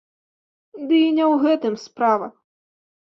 Ды і не ў гэтым справа.